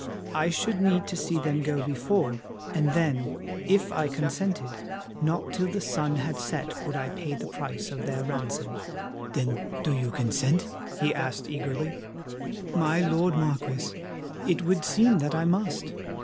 I should need to see them go before, and then, if I consented, not till the sun had set would I pay the price of their ransom." "Then do you consent? he asked eagerly. "My lord Marquis, it would seem that I must.